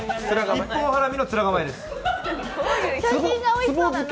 一本ハラミの面構えです。